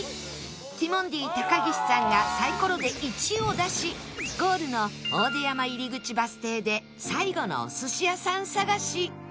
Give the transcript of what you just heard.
ティモンディ高岸さんがサイコロで１を出しゴールの大出山入口バス停で最後のお寿司屋さん探し